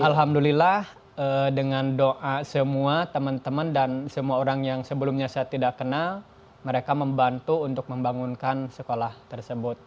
alhamdulillah dengan doa semua teman teman dan semua orang yang sebelumnya saya tidak kenal mereka membantu untuk membangunkan sekolah tersebut